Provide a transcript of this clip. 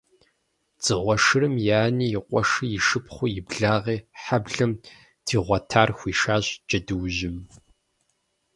Дзыгъуэ шырым и ани, и къуэши, и шыпхъуи, и благъи, хьэблэм дигъуэтар хуишащ джэдуужьым.